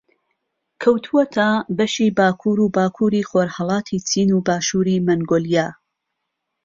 کەوتووەتە بەشی باکوور و باکووری خۆڕھەڵاتی چین و باشووری مەنگۆلیا